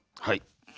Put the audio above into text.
はい。